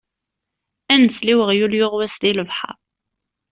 Ar nsel i uɣyul yuɣwas di lebḥeṛ.